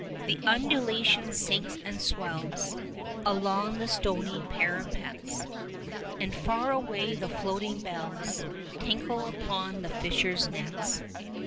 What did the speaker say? The undulation sinks and swells Along the stony parapets, And far away the floating bells Tinkle upon the fisher's nets.